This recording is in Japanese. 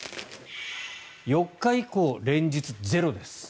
４日以降、連日ゼロです。